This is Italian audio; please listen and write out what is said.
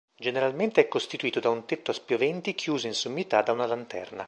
Generalmente è costituito da un tetto a spioventi chiuso in sommità da una lanterna.